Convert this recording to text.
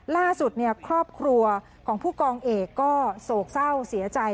ล่าสุดครอบครัวของผู้กองเอกก็โศกเศร้าเสียใจ